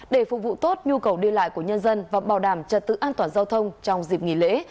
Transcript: để phục vụ tốt nhu cầu đi lại của nhân dân và bảo đảm trật tự an toàn giao thông trong dịp nghỉ lễ